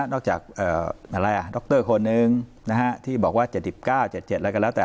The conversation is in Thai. นอกจากดรคนหนึ่งที่บอกว่า๗๙๗๗แล้วกันแล้วแต่